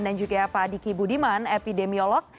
dan juga pak diki budiman epidemiolog